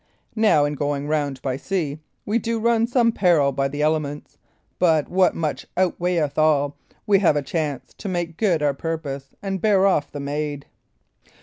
Now, in going round by sea, we do run some peril by the elements; but, what much outweighteth all, we have a chance to make good our purpose and bear off the maid."